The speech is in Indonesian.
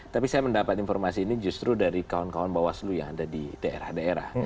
tapi saya mendapat informasi ini justru dari kawan kawan bawaslu yang ada di daerah daerah